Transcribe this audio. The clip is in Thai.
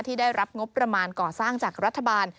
ได้รับงบประมาณก่อสร้างจากรัฐบาล